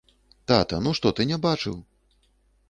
Тата, ну што ты не бачыў?